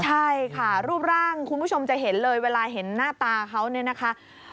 ใช่ค่ะรูปร่างคุณผู้ชมจะเห็นเลยเวลาเห็นหน้าตาเขาเนี่ยนะคะ